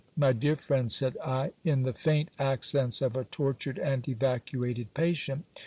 My dear friend, said I, in the faint accents of a tortured and evacuated patient.